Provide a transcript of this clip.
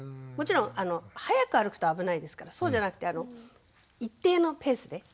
もちろん速く歩くと危ないですからそうじゃなくて一定のペースで。